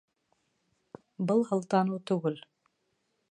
Был һылтаныу түгел